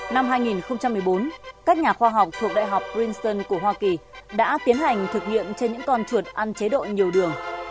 năm hai nghìn một mươi bốn các nhà khoa học thuộc đại học greenson của hoa kỳ đã tiến hành thực hiện trên những con chuột ăn chế độ nhiều đường